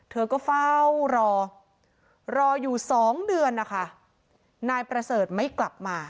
เธอก็เฝ้ารอรออยู่สองเดือนนะคะนายประเสริฐไม่กลับมา